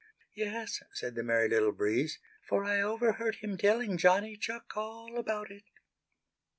"Yes," said the Merry Little Breeze, "for I overheard him telling Johnny Chuck all about it."